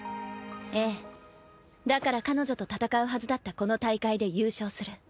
えぇだから彼女と戦うはずだったこの大会で優勝する。